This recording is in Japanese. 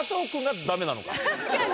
確かに。